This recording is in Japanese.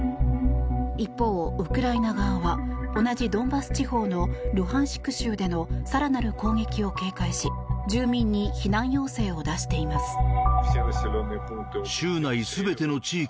一方、ウクライナ側は同じドンバス地方のルハンシク州での更なる攻撃を警戒し住民に避難要請を出しています。